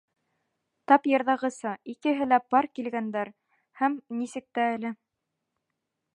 Тап йырҙағыса: икеһе лә пар килгәндәр!., Һәм нисек тә әле!